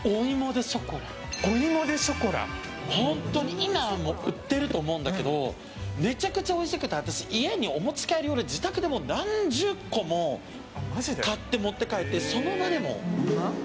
今も売ってると思うんだけどめちゃくちゃおいしくて家にお持ち帰りして、自宅で何十個も買って、持って帰ってその場で、もう。